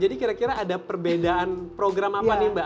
jadi kira kira ada perbedaan program apa nih mbak